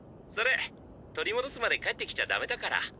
それ取り戻すまで帰って来ちゃダメだから。